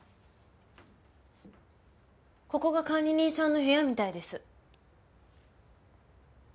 ここが管理人さんの部屋みたいです。